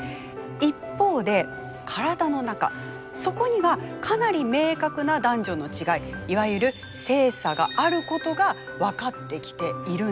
一方で体の中そこにはかなり明確な男女の違いいわゆる性差があることが分かってきているんです。